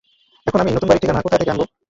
এখন আমি নতুন বাড়ির ঠিকানা কোথায় থেকে আনবো?